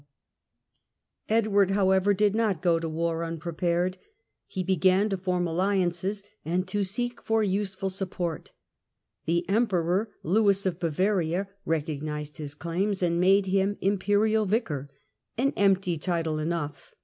English Edward, however, did not go to war unprepared. He began to form aUiances and to seek for useful support. The Emperor, Lewis of Bavaria, recognised his claims and made him Imperial Vicar ; an empty title enough.